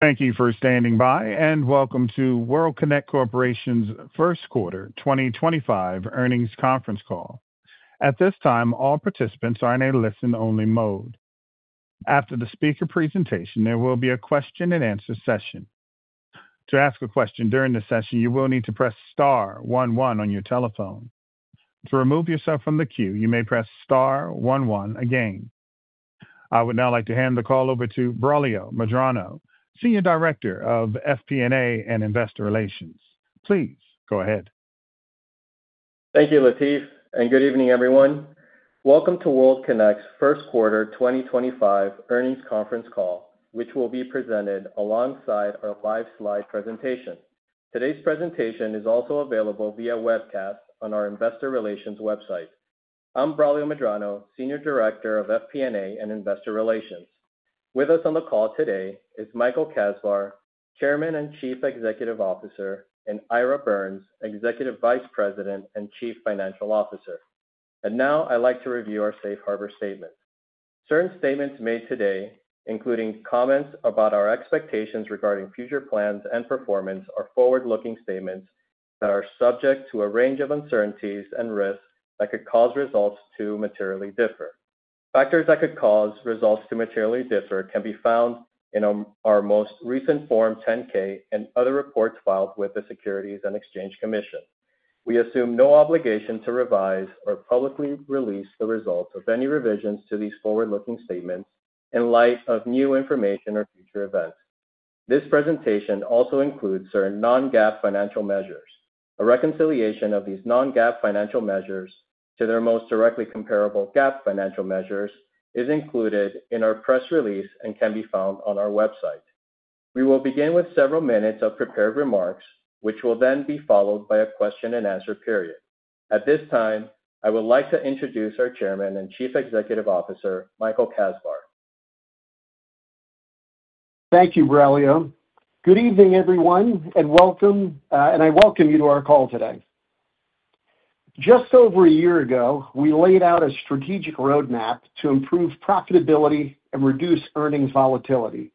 Thank you for standing by, and welcome to World Kinect Corporation's First Quarter 2025 Earnings Conference Call. At this time, all participants are in a listen-only mode. After the speaker presentation, there will be a question-and-answer session. To ask a question during the session, you will need to press star one one on your telephone. To remove yourself from the queue, you may press star one one again. I would now like to hand the call over to Braulio Medrano, Senior Director of FP&A and Investor Relations. Please go ahead. Thank you, Latif, and good evening, everyone. Welcome to World Kinect's First Quarter 2025 Earnings Conference Call, which will be presented alongside our live slide presentation. Today's presentation is also available via webcast on our Investor Relations website. I'm Braulio Medrano, Senior Director of FP&A and Investor Relations. With us on the call today is Michael Kasbar, Chairman and Chief Executive Officer, and Ira Birns, Executive Vice President and Chief Financial Officer. I would now like to review our Safe Harbor Statement. Certain statements made today, including comments about our expectations regarding future plans and performance, are forward-looking statements that are subject to a range of uncertainties and risks that could cause results to materially differ. Factors that could cause results to materially differ can be found in our most recent Form 10-K and other reports filed with the Securities and Exchange Commission. We assume no obligation to revise or publicly release the results of any revisions to these forward-looking statements in light of new information or future events. This presentation also includes certain non-GAAP financial measures. A reconciliation of these non-GAAP financial measures to their most directly comparable GAAP financial measures is included in our press release and can be found on our website. We will begin with several minutes of prepared remarks, which will then be followed by a question-and-answer period. At this time, I would like to introduce our Chairman and Chief Executive Officer, Michael Kasbar. Thank you, Braulio. Good evening, everyone, and welcome, and I welcome you to our call today. Just over a year ago, we laid out a strategic roadmap to improve profitability and reduce earnings volatility.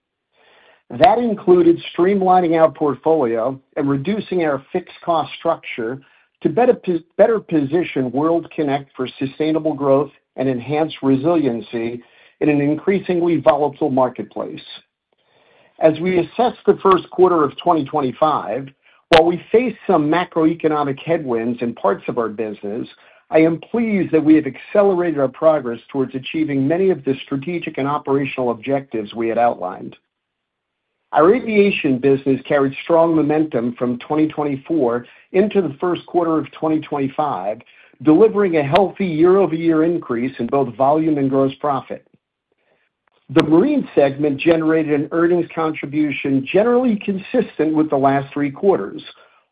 That included streamlining our portfolio and reducing our fixed-cost structure to better position World Kinect for sustainable growth and enhanced resiliency in an increasingly volatile marketplace. As we assess the first quarter of 2025, while we face some macroeconomic headwinds in parts of our business, I am pleased that we have accelerated our progress towards achieving many of the strategic and operational objectives we had outlined. Our Aviation business carried strong momentum from 2024 into the first quarter of 2025, delivering a healthy year-over-year increase in both volume and gross profit. The Marine segment generated an earnings contribution generally consistent with the last three quarters,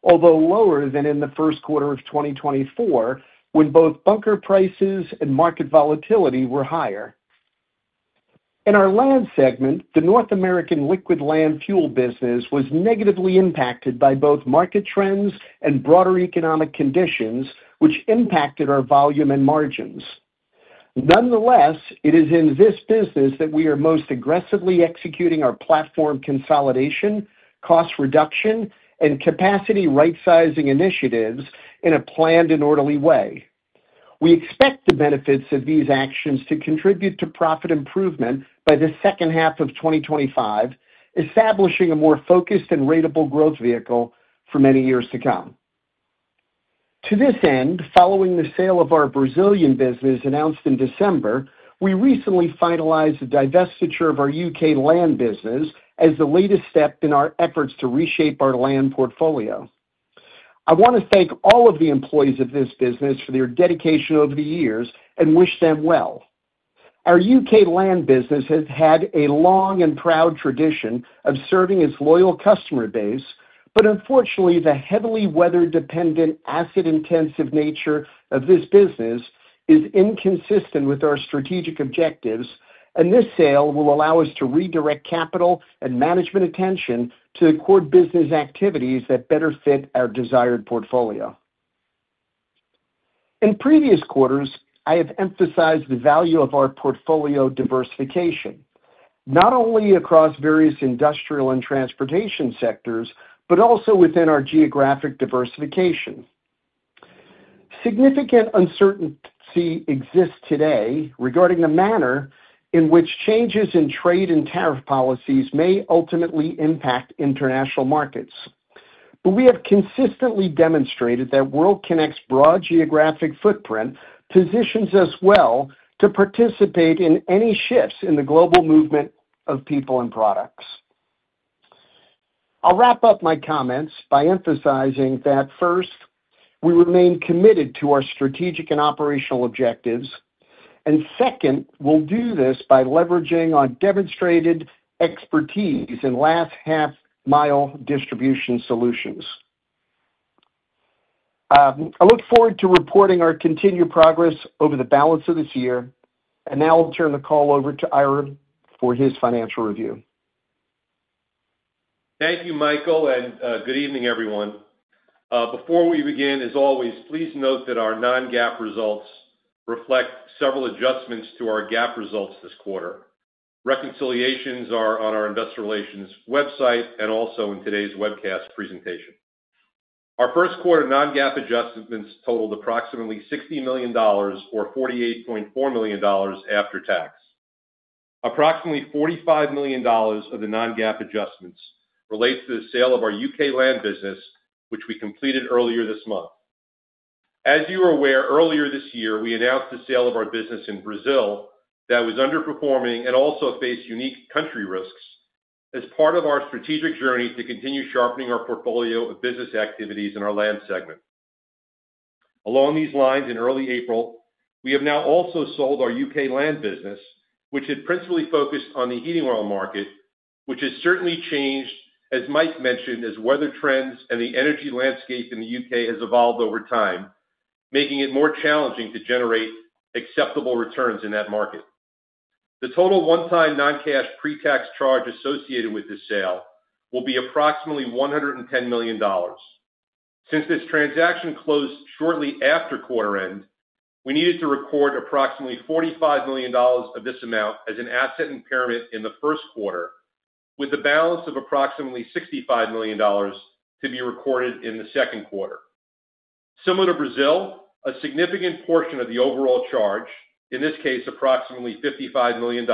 although lower than in the first quarter of 2024 when both bunker prices and market volatility were higher. In our Land segment, the North American liquid land fuel business was negatively impacted by both market trends and broader economic conditions, which impacted our volume and margins. Nonetheless, it is in this business that we are most aggressively executing our platform consolidation, cost reduction, and capacity rightsizing initiatives in a planned and orderly way. We expect the benefits of these actions to contribute to profit improvement by the second half of 2025, establishing a more focused and ratable growth vehicle for many years to come. To this end, following the sale of our Brazil business announced in December, we recently finalized the divestiture of our U.K. Land business as the latest step in our efforts to reshape our Land portfolio. I want to thank all of the employees of this business for their dedication over the years and wish them well. Our U.K. Land business has had a long and proud tradition of serving its loyal customer base, but unfortunately, the heavily weather-dependent, asset-intensive nature of this business is inconsistent with our strategic objectives, and this sale will allow us to redirect capital and management attention to the core business activities that better fit our desired portfolio. In previous quarters, I have emphasized the value of our portfolio diversification, not only across various industrial and transportation sectors, but also within our geographic diversification. Significant uncertainty exists today regarding the manner in which changes in trade and tariff policies may ultimately impact international markets. We have consistently demonstrated that World Kinect's broad geographic footprint positions us well to participate in any shifts in the global movement of people and products. I'll wrap up my comments by emphasizing that, first, we remain committed to our strategic and operational objectives, and second, we'll do this by leveraging our demonstrated expertise in last-half-mile distribution solutions. I look forward to reporting our continued progress over the balance of this year, and now I'll turn the call over to Ira for his financial review. Thank you, Michael, and good evening, everyone. Before we begin, as always, please note that our non-GAAP results reflect several adjustments to our GAAP results this quarter. Reconciliations are on our Investor Relations website and also in today's webcast presentation. Our first quarter non-GAAP adjustments totaled approximately $60 million, or $48.4 million after tax. Approximately $45 million of the non-GAAP adjustments relates to the sale of our U.K. Land business, which we completed earlier this month. As you are aware, earlier this year, we announced the sale of our business in Brazil that was underperforming and also faced unique country risks as part of our strategic journey to continue sharpening our portfolio of business activities in our Land segment. Along these lines, in early April, we have now also sold our U.K. Land business, which had principally focused on the heating oil market, which has certainly changed, as Mike mentioned, as weather trends and the energy landscape in the U.K. has evolved over time, making it more challenging to generate acceptable returns in that market. The total one-time non-cash pre-tax charge associated with this sale will be approximately $110 million. Since this transaction closed shortly after quarter end, we needed to record approximately $45 million of this amount as an asset impairment in the first quarter, with the balance of approximately $65 million to be recorded in the second quarter. Similar to Brazil, a significant portion of the overall charge, in this case, approximately $55 million,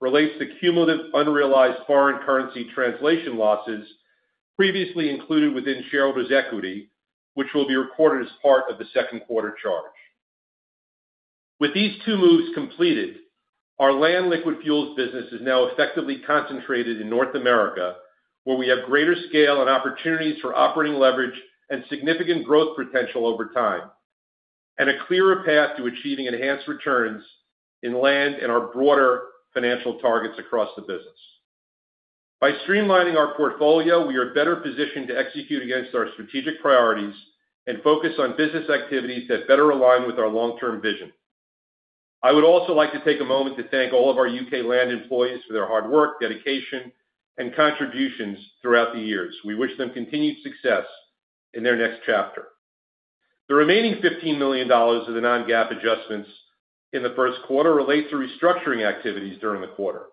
relates to cumulative unrealized foreign currency translation losses previously included within shareholders' equity, which will be recorded as part of the second quarter charge. With these two moves completed, our Land Liquid Fuels business is now effectively concentrated in North America, where we have greater scale and opportunities for operating leverage and significant growth potential over time, and a clearer path to achieving enhanced returns in Land and our broader financial targets across the business. By streamlining our portfolio, we are better positioned to execute against our strategic priorities and focus on business activities that better align with our long-term vision. I would also like to take a moment to thank all of our U.K. Land employees for their hard work, dedication, and contributions throughout the years. We wish them continued success in their next chapter. The remaining $15 million of the non-GAAP adjustments in the first quarter relates to restructuring activities during the quarter.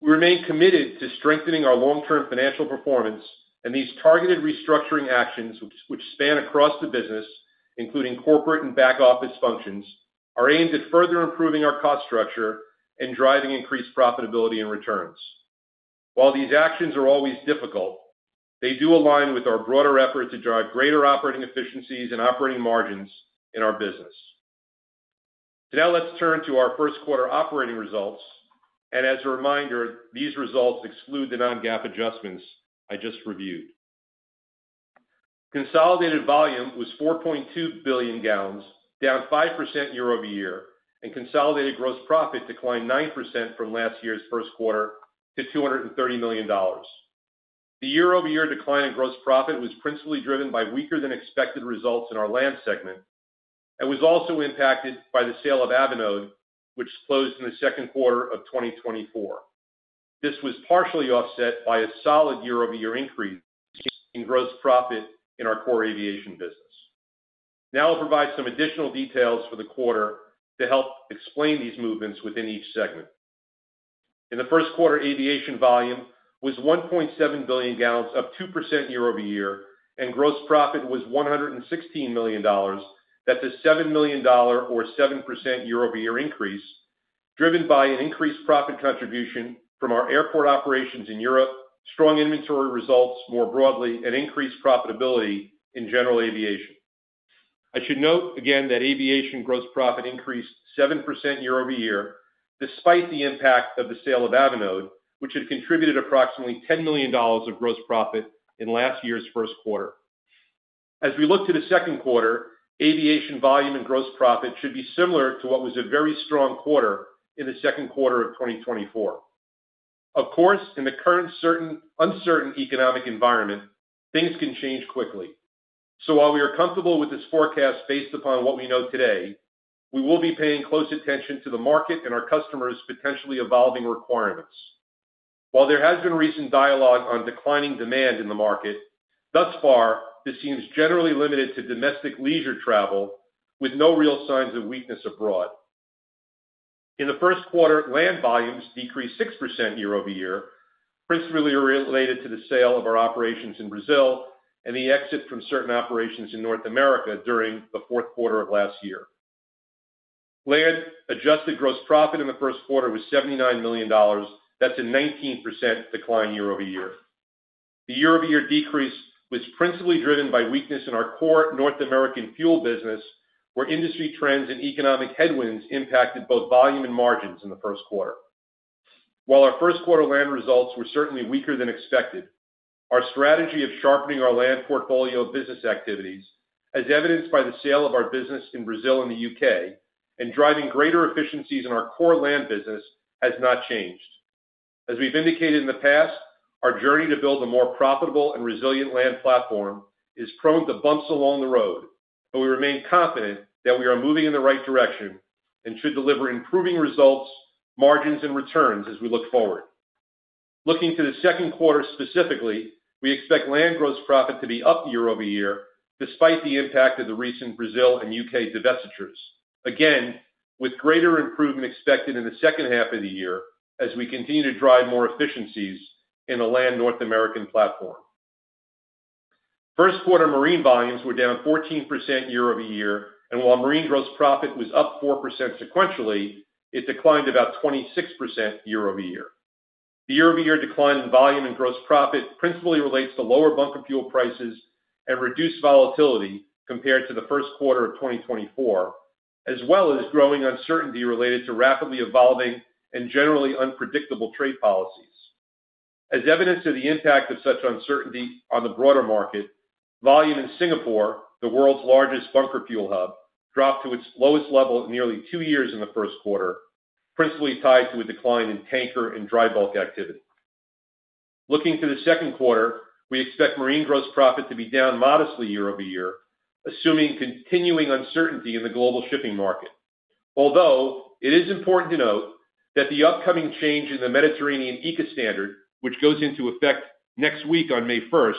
We remain committed to strengthening our long-term financial performance, and these targeted restructuring actions, which span across the business, including corporate and back office functions, are aimed at further improving our cost structure and driving increased profitability and returns. While these actions are always difficult, they do align with our broader effort to drive greater operating efficiencies and operating margins in our business. Now let's turn to our first quarter operating results, and as a reminder, these results exclude the non-GAAP adjustments I just reviewed. Consolidated volume was 4.2 billion gal, down 5% year-over-year, and consolidated gross profit declined 9% from last year's first quarter to $230 million. The year-over-year decline in gross profit was principally driven by weaker-than-expected results in our Land segment and was also impacted by the sale of Avinode, which closed in the second quarter of 2024. This was partially offset by a solid year-over-year increase in gross profit in our core Aviation business. Now I'll provide some additional details for the quarter to help explain these movements within each segment. In the first quarter, Aviation volume was 1.7 billion gal, up 2% year-over-year, and gross profit was $116 million. That's a $7 million, or 7% year-over-year increase, driven by an increased profit contribution from our airport operations in Europe, strong inventory results more broadly, and increased profitability in General Aviation. I should note again that Aviation gross profit increased 7% year-over-year, despite the impact of the sale of Avinode, which had contributed approximately $10 million of gross profit in last year's first quarter. As we look to the second quarter, Aviation volume and gross profit should be similar to what was a very strong quarter in the second quarter of 2024. Of course, in the current uncertain economic environment, things can change quickly. While we are comfortable with this forecast based upon what we know today, we will be paying close attention to the market and our customers' potentially evolving requirements. While there has been recent dialogue on declining demand in the market, thus far, this seems generally limited to domestic leisure travel, with no real signs of weakness abroad. In the first quarter, Land volumes decreased 6% year-over-year, principally related to the sale of our operations in Brazil and the exit from certain operations in North America during the fourth quarter of last year. Land adjusted gross profit in the first quarter was $79 million. That's a 19% decline year-over-year. The year-over-year decrease was principally driven by weakness in our core North American fuel business, where industry trends and economic headwinds impacted both volume and margins in the first quarter. While our first quarter Land results were certainly weaker than expected, our strategy of sharpening our Land portfolio of business activities, as evidenced by the sale of our business in Brazil and the U.K., and driving greater efficiencies in our core Land business has not changed. As we've indicated in the past, our journey to build a more profitable and resilient Land platform is prone to bumps along the road, but we remain confident that we are moving in the right direction and should deliver improving results, margins, and returns as we look forward. Looking to the second quarter specifically, we expect Land gross profit to be up year-over-year, despite the impact of the recent Brazil and U.K. divestitures. Again, with greater improvement expected in the second half of the year as we continue to drive more efficiencies in the Land North American platform. First quarter Marine volumes were down 14% year-over-year, and while Marine gross profit was up 4% sequentially, it declined about 26% year-over-year. The year-over-year decline in volume and gross profit principally relates to lower bunker fuel prices and reduced volatility compared to the first quarter of 2024, as well as growing uncertainty related to rapidly evolving and generally unpredictable trade policies. As evidence of the impact of such uncertainty on the broader market, volume in Singapore, the world's largest bunker fuel hub, dropped to its lowest level in nearly two years in the first quarter, principally tied to a decline in tanker and dry bulk activity. Looking to the second quarter, we expect Marine gross profit to be down modestly year-over-year, assuming continuing uncertainty in the global shipping market. Although it is important to note that the upcoming change in the Mediterranean ECA standard, which goes into effect next week on May 1,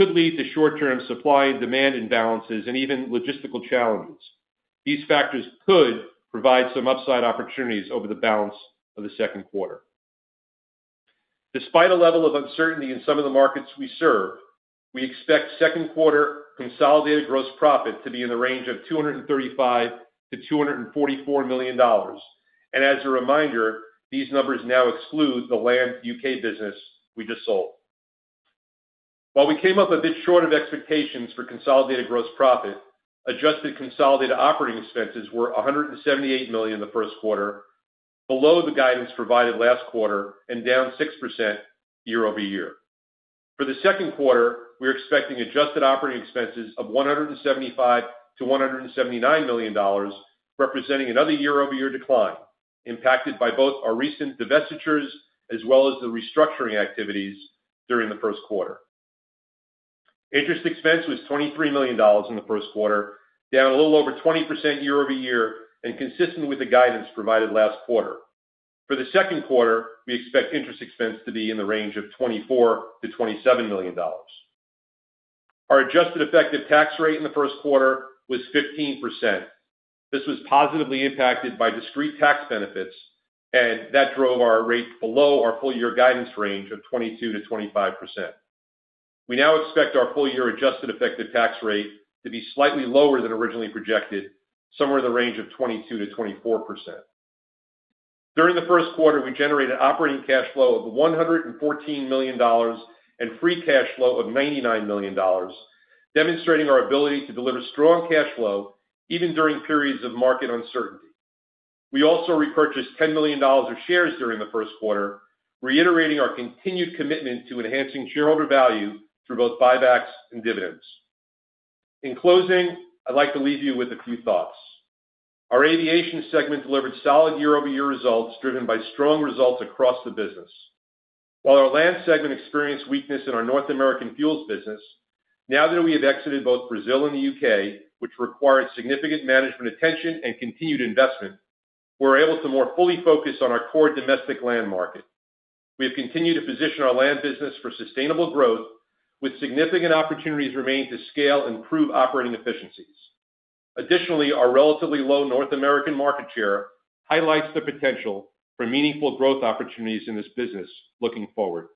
could lead to short-term supply and demand imbalances and even logistical challenges. These factors could provide some upside opportunities over the balance of the second quarter. Despite a level of uncertainty in some of the markets we serve, we expect second quarter consolidated gross profit to be in the range of $235 million-$244 million. As a reminder, these numbers now exclude the Land U.K. business we just sold. While we came up a bit short of expectations for consolidated gross profit, adjusted consolidated operating expenses were $178 million in the first quarter, below the guidance provided last quarter and down 6% year-over-year. For the second quarter, we're expecting adjusted operating expenses of $175 million-$179 million, representing another year-over-year decline impacted by both our recent divestitures as well as the restructuring activities during the first quarter. Interest expense was $23 million in the first quarter, down a little over 20% year-over-year and consistent with the guidance provided last quarter. For the second quarter, we expect interest expense to be in the range of $24 million-$27 million. Our adjusted effective tax rate in the first quarter was 15%. This was positively impacted by discrete tax benefits, and that drove our rate below our full-year guidance range of 22%-25%. We now expect our full-year adjusted effective tax rate to be slightly lower than originally projected, somewhere in the range of 22%-24%. During the first quarter, we generated operating cash flow of $114 million and free cash flow of $99 million, demonstrating our ability to deliver strong cash flow even during periods of market uncertainty. We also repurchased $10 million of shares during the first quarter, reiterating our continued commitment to enhancing shareholder value through both buybacks and dividends. In closing, I'd like to leave you with a few thoughts. Our Aviation segment delivered solid year-over-year results driven by strong results across the business. While our Land segment experienced weakness in our North American Fuels business, now that we have exited both Brazil and the U.K., which required significant management attention and continued investment, we're able to more fully focus on our core domestic Land market. We have continued to position our Land business for sustainable growth, with significant opportunities remaining to scale and prove operating efficiencies. Additionally, our relatively low North American market share highlights the potential for meaningful growth opportunities in this business looking forward.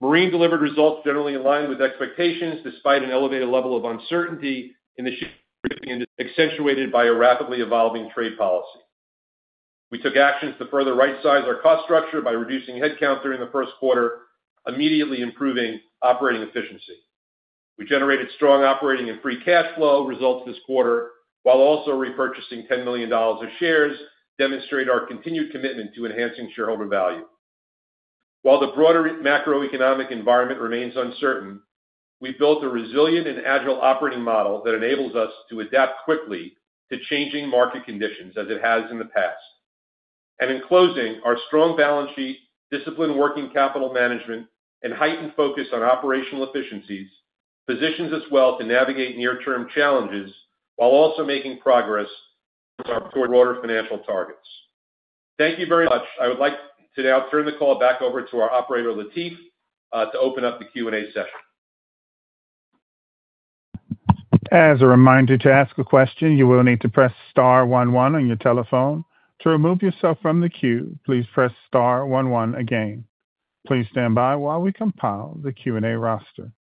Marine delivered results generally aligned with expectations despite an elevated level of uncertainty in the shipping industry, accentuated by a rapidly evolving trade policy. We took actions to further right-size our cost structure by reducing headcount during the first quarter, immediately improving operating efficiency. We generated strong operating and free cash flow results this quarter, while also repurchasing $10 million of shares, demonstrating our continued commitment to enhancing shareholder value. While the broader macroeconomic environment remains uncertain, we've built a resilient and agile operating model that enables us to adapt quickly to changing market conditions as it has in the past. In closing, our strong balance sheet, disciplined working capital management, and heightened focus on operational efficiencies positions us well to navigate near-term challenges while also making progress towards our broader financial targets. Thank you very much. I would like to now turn the call back over to our operator, Latif, to open up the Q&A session. As a reminder to ask a question, you will need to press star one one on your telephone. To remove yourself from the queue, please press star one one again. Please stand by while we compile the Q&A roster.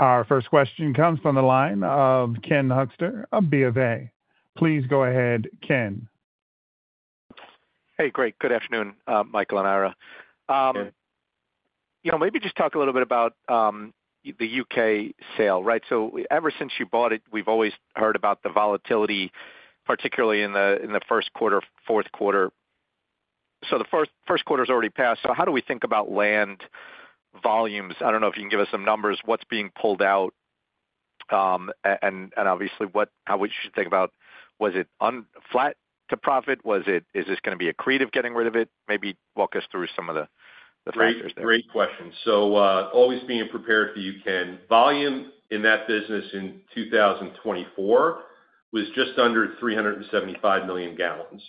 Our first question comes from the line of Ken Hoexter of BofA. Please go ahead, Ken. Hey, Greg. Good afternoon, Michael and Ira. Maybe just talk a little bit about the U.K. sale. Ever since you bought it, we've always heard about the volatility, particularly in the first quarter, fourth quarter. The first quarter has already passed. How do we think about Land volumes? I do not know if you can give us some numbers. What is being pulled out? Obviously, how should we think about it? Was it flat to profit? Is this going to be accretive getting rid of it? Maybe walk us through some of the factors there. Great question. Always being prepared for you, Ken. Volume in that business in 2024 was just under 375 million gal. That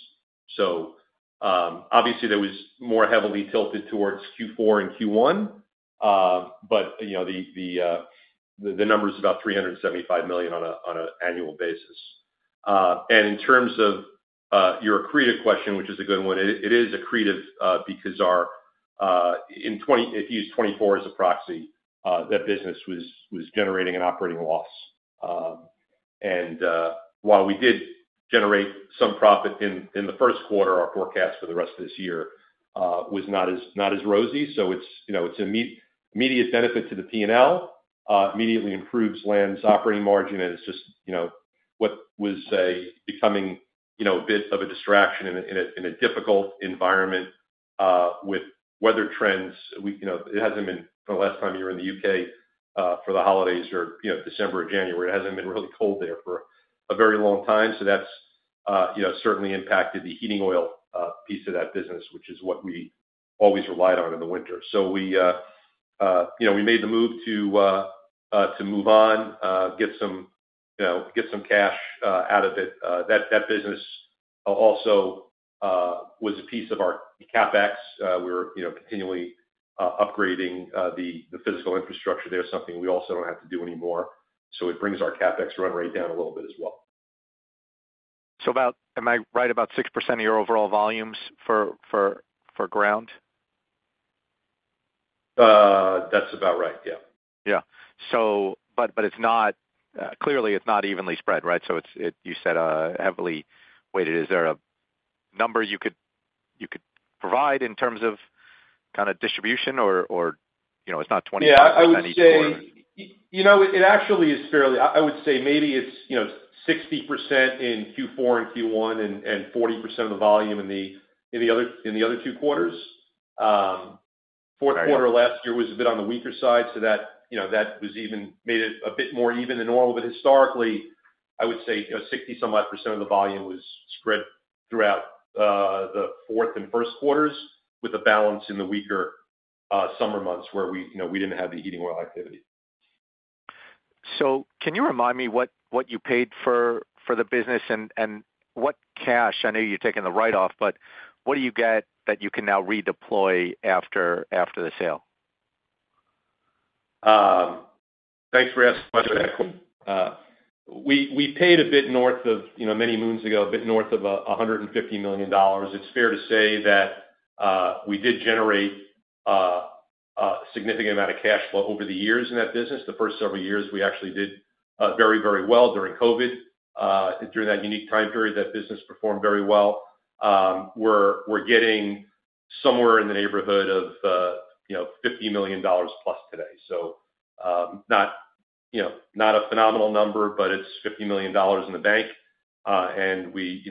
was more heavily tilted towards Q4 and Q1, but the number is about 375 million gal on an annual basis. In terms of your accretive question, which is a good one, it is accretive because if you use 2024 as a proxy, that business was generating an operating loss. While we did generate some profit in the first quarter, our forecast for the rest of this year was not as rosy. It is an immediate benefit to the P&L, immediately improves Land's operating margin, and it is just what was becoming a bit of a distraction in a difficult environment with weather trends. It has not been the last time you were in the U.K. for the holidays or December or January. It has not been really cold there for a very long time. That has certainly impacted the heating oil piece of that business, which is what we always relied on in the winter. We made the move to move on, get some cash out of it. That business also was a piece of our CapEx. We were continually upgrading the physical infrastructure there, something we also do not have to do anymore. It brings our CapEx run rate down a little bit as well. Am I right about 6% of your overall volumes for ground? That's about right, yeah. Yeah. Clearly, it's not evenly spread, right? You said heavily weighted. Is there a number you could provide in terms of kind of distribution or it's not 25%? I would say it actually is fairly. I would say maybe it's 60% in Q4 and Q1 and 40% of the volume in the other two quarters. Fourth quarter last year was a bit on the weaker side, so that made it a bit more even than normal. Historically, I would say 60-some odd percent of the volume was spread throughout the fourth and first quarters with a balance in the weaker summer months where we didn't have the heating oil activity. Can you remind me what you paid for the business and what cash? I know you're taking the write-off, but what do you get that you can now redeploy after the sale? Thanks for asking the question. We paid a bit north of, many moons ago, a bit north of $150 million. It's fair to say that we did generate a significant amount of cash flow over the years in that business. The first several years, we actually did very, very well during COVID. During that unique time period, that business performed very well. We're getting somewhere in the neighborhood of $50 million plus today. Not a phenomenal number, but it's $50 million in the bank, and we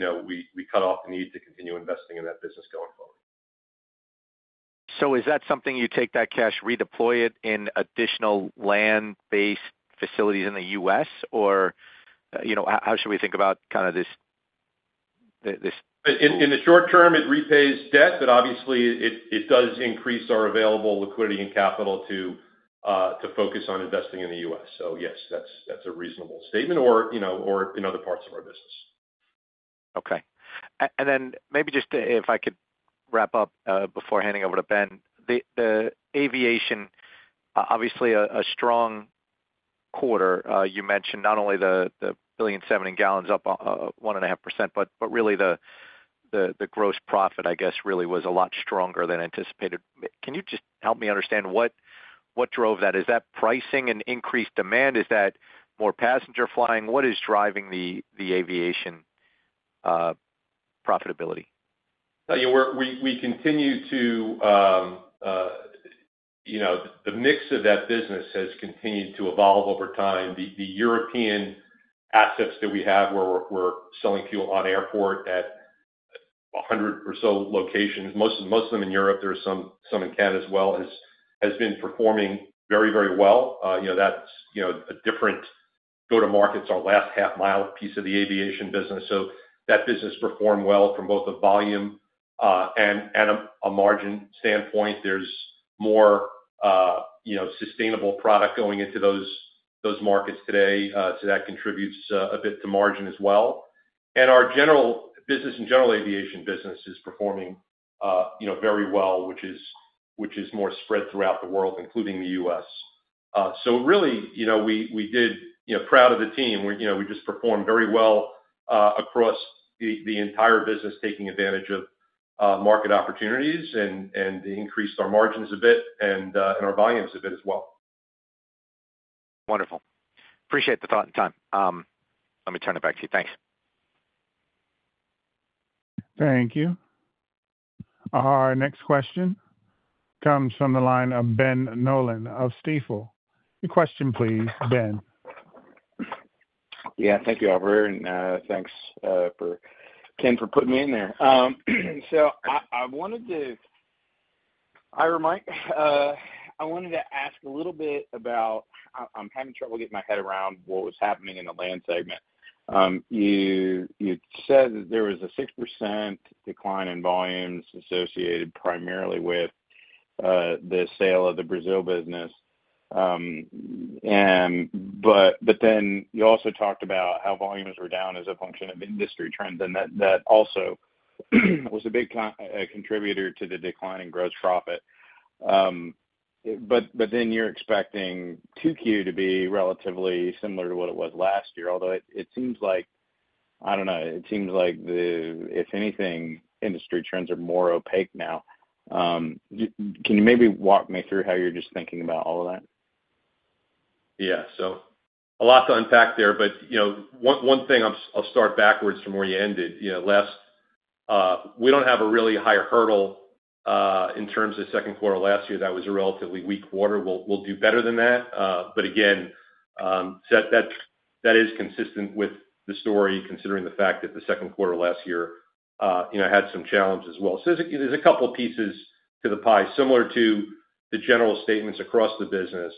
cut off the need to continue investing in that business going forward. Is that something you take that cash, redeploy it in additional Land-based facilities in the U.S., or how should we think about kind of this? In the short term, it repays debt, but obviously, it does increase our available liquidity and capital to focus on investing in the U.S. Yes, that's a reasonable statement or in other parts of our business. Okay. Maybe just if I could wrap up before handing over to Ben, the Aviation, obviously a strong quarter. You mentioned not only the billion-seven gallons up 1.5%, but really the gross profit, I guess, really was a lot stronger than anticipated. Can you just help me understand what drove that? Is that pricing and increased demand? Is that more passenger flying? What is driving the Aviation profitability? We continue to the mix of that business has continued to evolve over time. The European assets that we have where we're selling fuel on airport at 100 or so locations, most of them in Europe, there's some in Canada as well, has been performing very, very well. That's a different go-to-markets, our last half-mile piece of the Aviation business. That business performed well from both a volume and a margin standpoint. There's more sustainable product going into those markets today. That contributes a bit to margin as well. Our business in General Aviation business is performing very well, which is more spread throughout the world, including the U.S. We did proud of the team. We just performed very well across the entire business, taking advantage of market opportunities and increased our margins a bit and our volumes a bit as well. Wonderful. Appreciate the thought and time. Let me turn it back to you. Thanks. Thank you. Our next question comes from the line of Ben Nolan of Stifel. Your question, please, Ben. Yeah. Thank you, Albert. And thanks, Ken, for putting me in there. I wanted to ask a little bit about I'm having trouble getting my head around what was happening in the Land segment. You said that there was a 6% decline in volumes associated primarily with the sale of the Brazil business. Then you also talked about how volumes were down as a function of industry trends, and that also was a big contributor to the decline in gross profit. Then you're expecting Q2 to be relatively similar to what it was last year, although it seems like I don't know. It seems like, if anything, industry trends are more opaque now. Can you maybe walk me through how you're just thinking about all of that? Yeah. A lot to unpack there. One thing, I'll start backwards from where you ended. We don't have a really high hurdle in terms of second quarter last year. That was a relatively weak quarter. We'll do better than that. That is consistent with the story, considering the fact that the second quarter last year had some challenges as well. There's a couple of pieces to the pie, similar to the general statements across the business.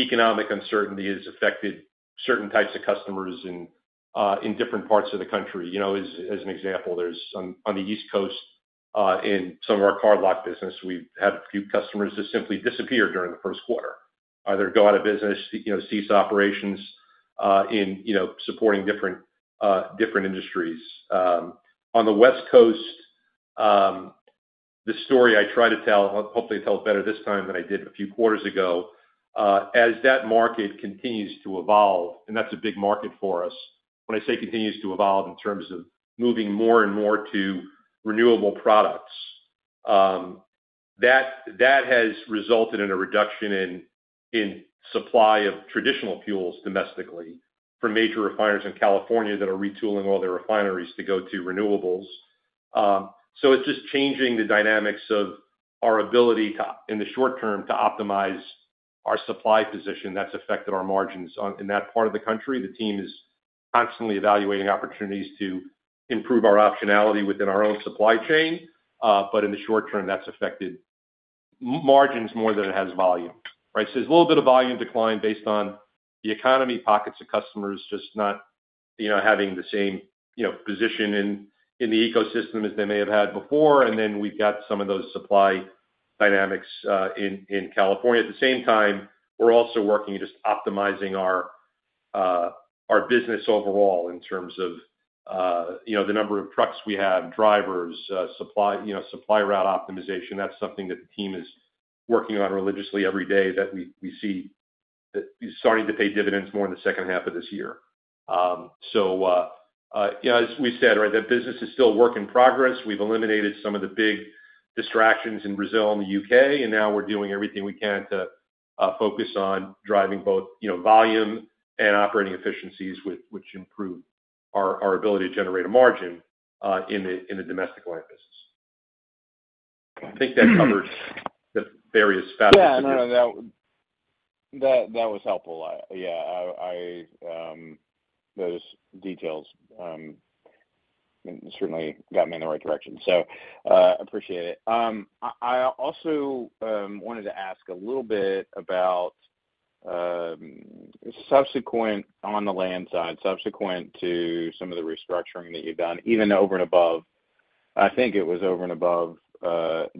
Economic uncertainty has affected certain types of customers in different parts of the country. As an example, on the East Coast, in some of our cardlock business, we've had a few customers that simply disappeared during the first quarter, either go out of business, cease operations in supporting different industries. On the West Coast, the story I try to tell, hopefully it tells better this time than I did a few quarters ago. As that market continues to evolve, and that's a big market for us. When I say continues to evolve in terms of moving more and more to renewable products, that has resulted in a reduction in supply of traditional fuels domestically for major refineries in California that are retooling all their refineries to go to renewables. It is just changing the dynamics of our ability in the short term to optimize our supply position. That has affected our margins in that part of the country. The team is constantly evaluating opportunities to improve our optionality within our own supply chain. In the short term, that has affected margins more than it has volume. There is a little bit of volume decline based on the economy, pockets of customers just not having the same position in the ecosystem as they may have had before. We have some of those supply dynamics in California. At the same time, we are also working just optimizing our business overall in terms of the number of trucks we have, drivers, supply route optimization. That is something that the team is working on religiously every day that we see starting to pay dividends more in the second half of this year. As we said, that business is still a work in progress. We have eliminated some of the big distractions in Brazil and the U.K., and now we are doing everything we can to focus on driving both volume and operating efficiencies, which improve our ability to generate a margin in the domestic Land business. I think that covers the various factors in there. Yeah. No, no. That was helpful. Yeah. Those details certainly got me in the right direction. I appreciate it. I also wanted to ask a little bit about subsequent on the Land side, subsequent to some of the restructuring that you've done, even over and above. I think it was over and above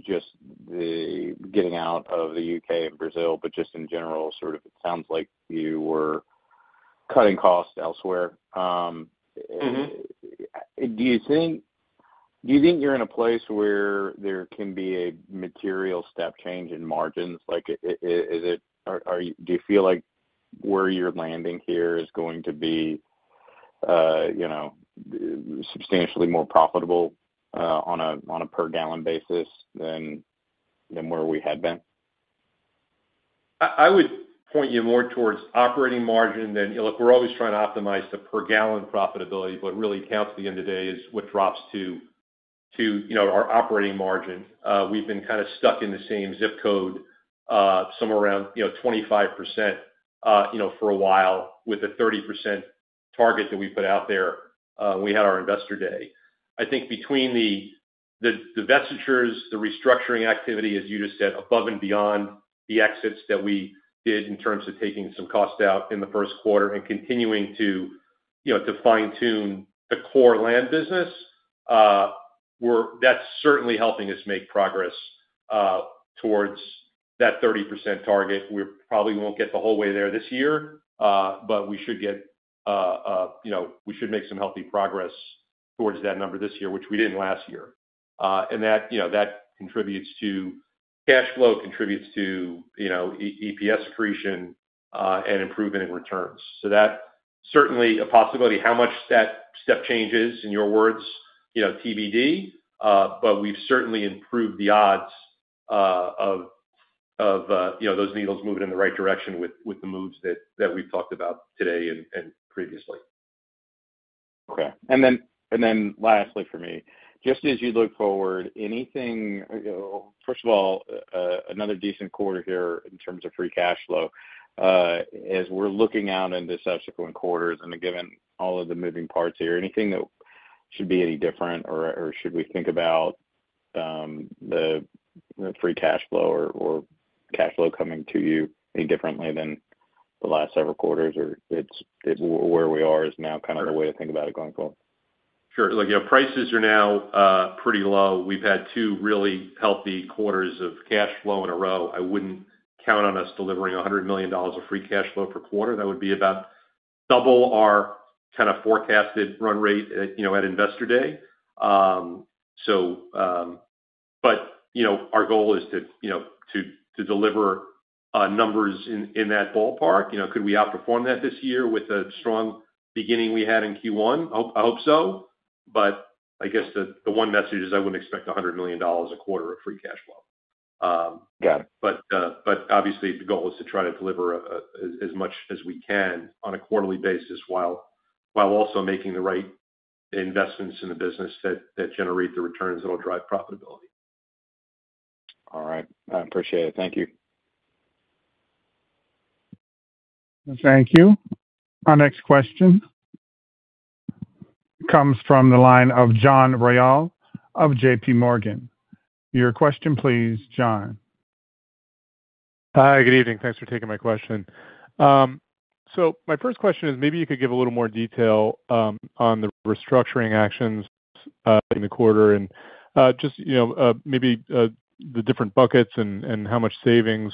just the getting out of the U.K. and Brazil, but just in general, sort of it sounds like you were cutting costs elsewhere. Do you think you're in a place where there can be a material step change in margins? Do you feel like where you're landing here is going to be substantially more profitable on a per-gallon basis than where we had been? I would point you more towards operating margin than we're always trying to optimize the per-gallon profitability, but what really counts at the end of the day is what drops to our operating margin. We've been kind of stuck in the same zip code somewhere around 25% for a while with a 30% target that we put out there when we had our investor day. I think between the divestitures, the restructuring activity, as you just said, above and beyond the exits that we did in terms of taking some costs out in the first quarter and continuing to fine-tune the core Land business, that's certainly helping us make progress towards that 30% target. We probably won't get the whole way there this year, but we should make some healthy progress towards that number this year, which we didn't last year. That contributes to cash flow, contributes to EPS accretion, and improvement in returns. That is certainly a possibility. How much that step change is, in your words, TBD, but we have certainly improved the odds of those needles moving in the right direction with the moves that we have talked about today and previously. Okay. Lastly for me, just as you look forward, anything first of all, another decent quarter here in terms of free cash flow as we are looking out into subsequent quarters and given all of the moving parts here, anything that should be any different or should we think about the free cash flow or cash flow coming to you any differently than the last several quarters or where we are is now kind of the way to think about it going forward? Sure. Prices are now pretty low. We've had two really healthy quarters of cash flow in a row. I wouldn't count on us delivering $100 million of free cash flow per quarter. That would be about double our kind of forecasted run rate at investor day. Our goal is to deliver numbers in that ballpark. Could we outperform that this year with a strong beginning we had in Q1? I hope so. I guess the one message is I wouldn't expect $100 million a quarter of free cash flow. Obviously, the goal is to try to deliver as much as we can on a quarterly basis while also making the right investments in the business that generate the returns that will drive profitability. All right. I appreciate it. Thank you. Thank you. Our next question comes from the line of John Royall of JPMorgan. Your question, please, John. Hi. Good evening. Thanks for taking my question. My first question is maybe you could give a little more detail on the restructuring actions in the quarter and just maybe the different buckets and how much savings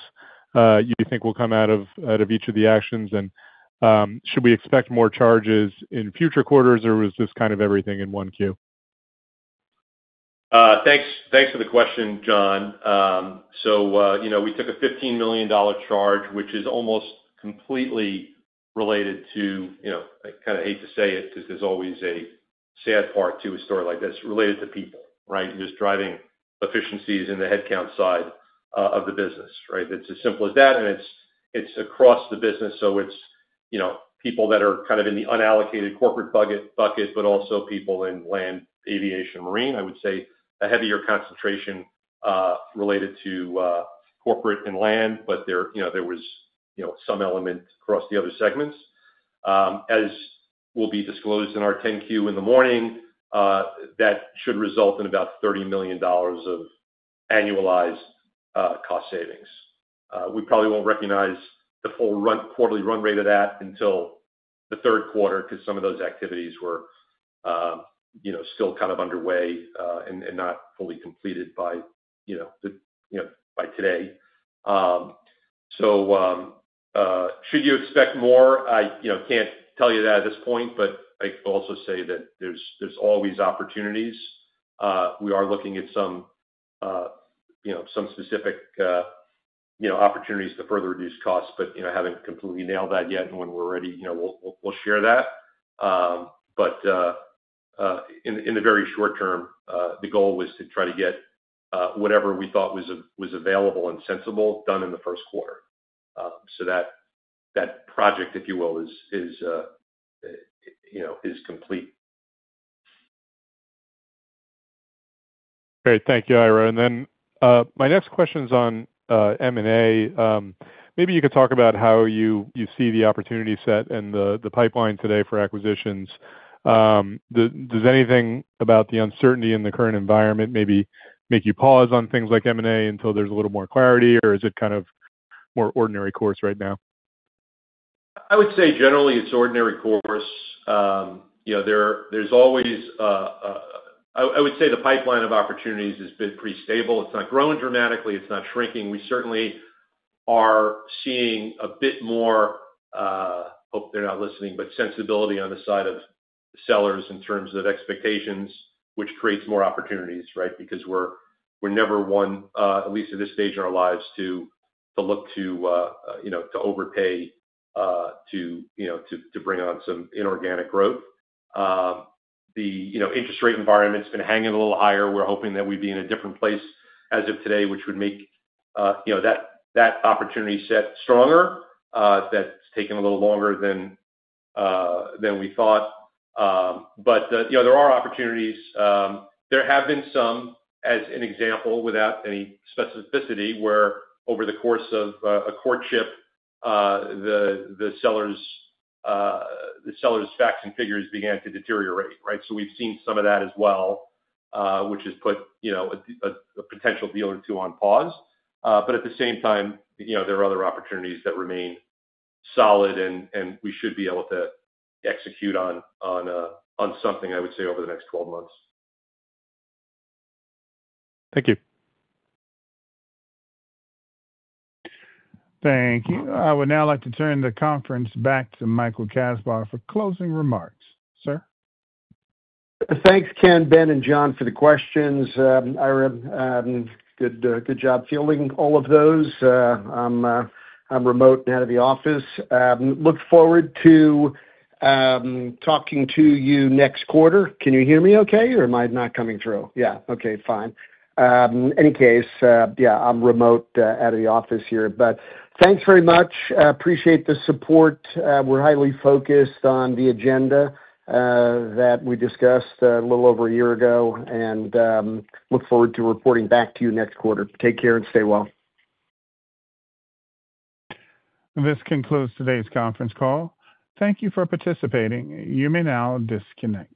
you think will come out of each of the actions. Should we expect more charges in future quarters, or was this kind of everything in 1Q? Thanks for the question, John. We took a $15 million charge, which is almost completely related to, I kind of hate to say it because there's always a sad part to a story like this, related to people, right? Just driving efficiencies in the headcount side of the business, right? It's as simple as that, and it's across the business. It's people that are kind of in the unallocated corporate bucket, but also people in Land, Aviation, Marine. I would say a heavier concentraton related to corporate and Land, but there was some element across the other segments. As will be disclosed in our 10-Q in the morning, that should result in about $30 million of annualized cost savings. We probably won't recognize the full quarterly run rate of that until the third quarter because some of those activities were still kind of underway and not fully completed by today. Should you expect more? I can't tell you that at this point, but I will also say that there's always opportunities. We are looking at some specific opportunities to further reduce costs, but haven't completely nailed that yet. When we're ready, we'll share that. In the very short term, the goal was to try to get whatever we thought was available and sensible done in the first quarter. That project, if you will, is complete. Great. Thank you, Ira. My next question is on M&A. Maybe you could talk about how you see the opportunity set and the pipeline today for acquisitions. Does anything about the uncertainty in the current environment maybe make you pause on things like M&A until there is a little more clarity, or is it kind of more ordinary course right now? I would say generally it is ordinary course. There is always a, I would say, the pipeline of opportunities has been pretty stable. It is not growing dramatically. It is not shrinking. We certainly are seeing a bit more—hope they are not listening—but sensibility on the side of sellers in terms of expectations, which creates more opportunities, right? Because we are never one, at least at this stage in our lives, to look to overpay to bring on some inorganic growth. The interest rate environment's been hanging a little higher. We're hoping that we'd be in a different place as of today, which would make that opportunity set stronger. That's taken a little longer than we thought. There are opportunities. There have been some, as an example, without any specificity, where over the course of a courtship, the seller's facts and figures began to deteriorate, right? We've seen some of that as well, which has put a potential deal or two on pause. At the same time, there are other opportunities that remain solid, and we should be able to execute on something, I would say, over the next 12 months. Thank you. Thank you. I would now like to turn the conference back to Michael Kasbar for closing remarks. Sir? Thanks, Ken, Ben, and John for the questions. Ira, good job fielding all of those. I'm remote and out of the office. Look forward to talking to you next quarter. Can you hear me okay, or am I not coming through? Yeah. Okay. Fine. In any case, yeah, I'm remote out of the office here. Thanks very much. Appreciate the support. We're highly focused on the agenda that we discussed a little over a year ago, and look forward to reporting back to you next quarter. Take care and stay well. This concludes today's conference call. Thank you for participating. You may now disconnect.